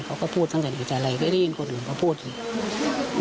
เขาก็พูดตั้งแต่นี้แต่ไรไม่ได้ยินคนอื่นเขาพูดอีก